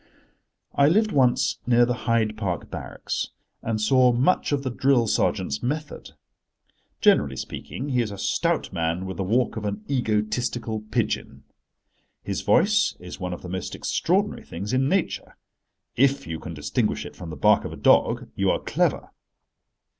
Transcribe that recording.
I lived once near the Hyde Park barracks, and saw much of the drill sergeant's method. Generally speaking, he is a stout man with the walk of an egotistical pigeon. His voice is one of the most extraordinary things in nature: if you can distinguish it from the bark of a dog, you are clever.